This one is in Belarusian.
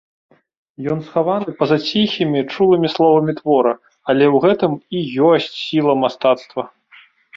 Ён схаваны па-за ціхімі, чулымі словамі твора, але ў гэтым і ёсць сіла мастацтва.